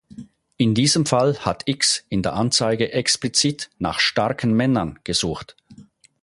In diesem Fall hat X in der Anzeige explizit nach "starken Männern" gesucht.